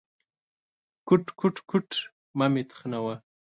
_کوټ، کوټ، کوټ… مه مې تخنوه.